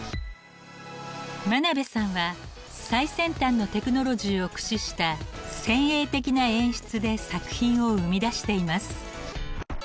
真鍋さんは最先端のテクノロジーを駆使した先鋭的な演出で作品を生み出しています。